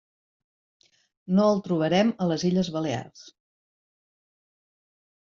No el trobarem a les Illes Balears.